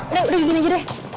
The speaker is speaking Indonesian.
udah udah begini aja deh